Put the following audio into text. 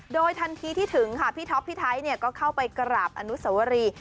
โดยทันทีที่ถึงค่ะพี่ท็อปพี่ไทยก็เข้าไปกราบอนุสวรี